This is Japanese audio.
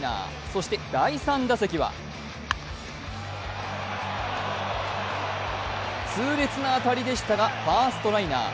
そして第３打席は痛烈な当たりでしたが、ファーストライナー。